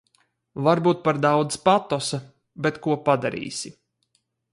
Varbūt par daudz patosa, bet ko padarīsi.